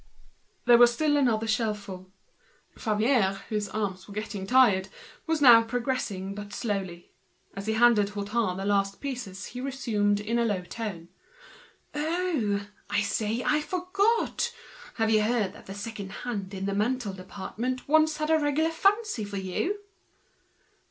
There was still another shelf full. Favier, whose arms were beginning to feel tired, was now going very slowly. As he handed Hutin the last pieces he resumed in a low tone—"Oh! I say, I forgot. Have you heard that the second hand in the ready made department once had a regular fancy for you?"